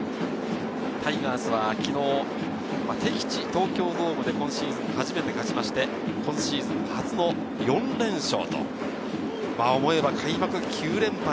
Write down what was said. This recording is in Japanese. タイガースは昨日、敵地・東京ドームで今シーズン初めて勝ちまして、今シーズン初の４連勝。